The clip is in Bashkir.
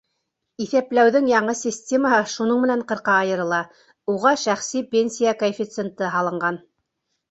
Иҫәпләүҙең яңы системаһы шуның менән ҡырҡа айырыла: уға шәхси пенсия коэффициенты һалынған.